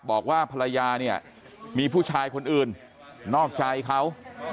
บอกว่าภรรยาเนี่ยมีผู้ชายคนอื่นนอกใจเขา